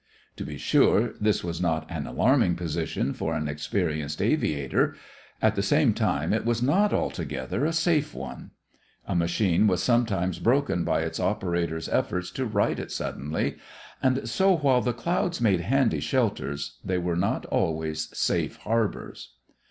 To be sure, this was not an alarming position for an experienced aviator; at the same time, it was not altogether a safe one. A machine was sometimes broken by its operator's effort to right it suddenly. And so while the clouds made handy shelters, they were not always safe harbors.